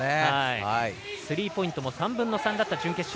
スリーポイントも３分の３だった準決勝。